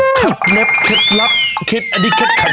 ขับเน็บเคล็ดลับคิดอันนี้เคล็ดขย่อ